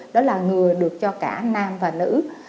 đó là ngừa được cho cả nam và nữ